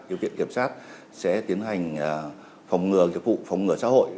điều kiện kiểm sát sẽ tiến hành phòng ngừa nghiệp vụ phòng ngừa xã hội